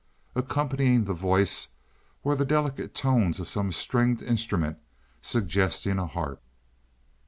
Accompanying the voice were the delicate tones of some stringed instrument suggesting a harp.